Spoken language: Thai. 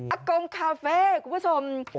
กงคาเฟ่คุณผู้ชม